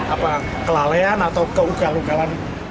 apa kelalaian atau keugalan ugalan